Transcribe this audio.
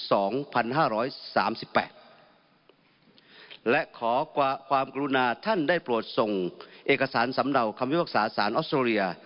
สามสิบแปดและขอกว่าความกรุณาท่านได้โปรดส่งเอกสารสำนาวคำวิบักษาสารออสโตรียา